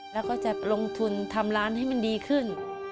แล้วก็จะลงทุนทำร้านให้มันดีขึ้น